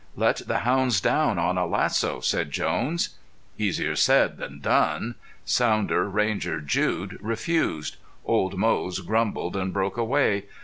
"Let the hounds down on a lasso," said Jones. Easier said than done! Sounder, Ranger, Jude refused. Old Moze grumbled and broke away.